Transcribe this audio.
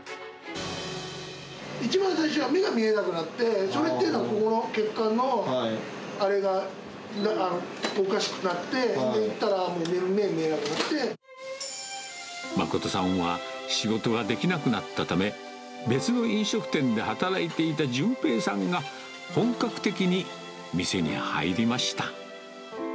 一番最初は目が見えなくなって、それっていうのは、ここの血管のあれが、おかしくなって、病院行ったら、誠さんは仕事ができなくなったため、別の飲食店で働いていた淳平さんが、本格的に店に入りました。